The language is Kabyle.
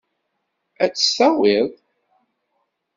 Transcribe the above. Ad tt-tawiḍ.